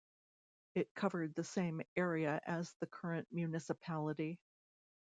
It covered the same area as the current municipality.